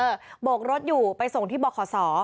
เออโบกรถอยู่ไปส่งที่บ่อข่อสอ